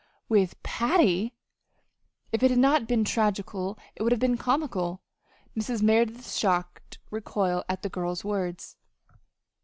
"With Patty!" If it had not been tragical it would have been comical Mrs. Merideth's shocked recoil at the girl's words.